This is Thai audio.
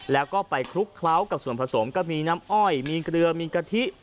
แล้วก็ไปคลุกเคล้ากับส่วนผสมก็มีน้ำอ้อยมีเกลือมีกะทิ